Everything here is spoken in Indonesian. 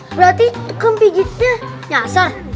berarti tukang pijitnya nyasar